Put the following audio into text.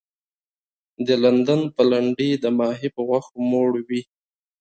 د لندن پلنډي د ماهي په غوښو موړ وي.